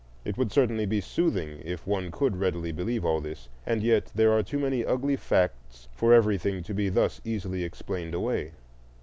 It would certainly be soothing if one could readily believe all this; and yet there are too many ugly facts for everything to be thus easily explained away.